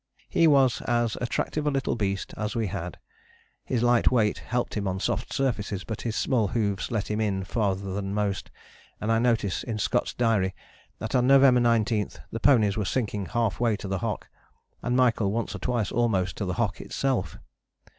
He was as attractive a little beast as we had. His light weight helped him on soft surfaces, but his small hoofs let him in farther than most and I notice in Scott's diary that on November 19 the ponies were sinking half way to the hock, and Michael once or twice almost to the hock itself.